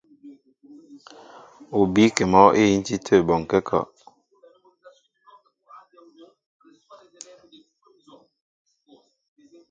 Ú bíkí mɔ́ íhíntí tə̂ bɔnkɛ́ a kɔ.